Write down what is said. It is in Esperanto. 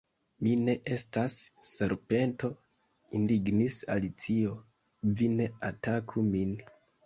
"Mi ne estas serpento," indignis Alicio, "vi ne ataku min!"